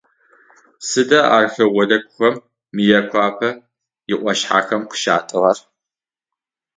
Сыда археологхэм Мыекъуапэ иӏуашъхьэхэм къыщатӏыгъэр?